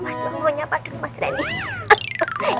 mas rumahnya padahal mas rendy